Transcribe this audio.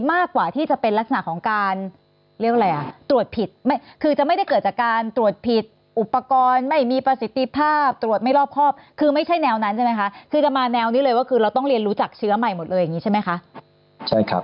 ไม่ได้เกิดจากการตรวจผิดอุปกรณ์ไม่มีประสิทธิภาพตรวจไม่รอบครอบคือไม่ใช่แนวนั้นใช่ไหมคะคือจะมาแนวนี้เลยว่าคือเราต้องเรียนรู้จักเชื้อใหม่หมดเลยใช่ไหมคะใช่ครับ